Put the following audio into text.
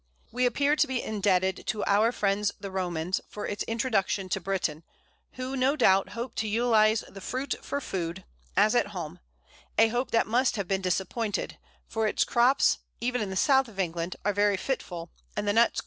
We appear to be indebted to our friends the Romans for its introduction to Britain, who no doubt hoped to utilize the fruit for food, as at home a hope that must have been disappointed, for its crops, even in the South of England, are very fitful, and the nuts quite small.